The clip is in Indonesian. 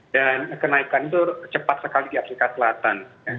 dan kenaikan itu cepat sekali di afrika selatan